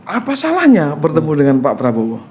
apa salahnya bertemu dengan pak prabowo